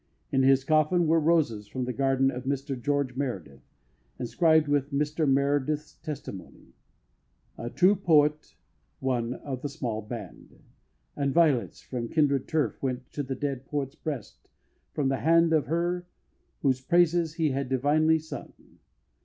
In his coffin were roses from the garden of Mr George Meredith, inscribed with Mr Meredith's testimony, "A true poet, one of the small band"; and violets from kindred turf went to the dead poet's breast from the hand of her whose praises he had divinely sung.